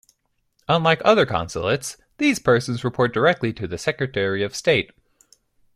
Unlike other consulates, these persons report directly to the Secretary of State.